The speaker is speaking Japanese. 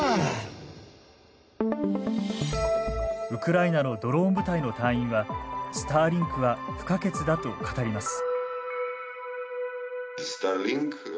ウクライナのドローン部隊の隊員はスターリンクは不可欠だと語ります。